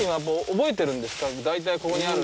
覚えてる？